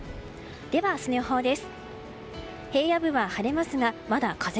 では、明日の予報です。